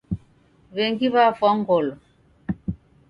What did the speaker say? W'engi w'afwa ngolo.